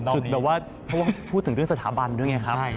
จุดแบบว่าเพราะว่าพูดถึงเรื่องสถาบันด้วยไงครับ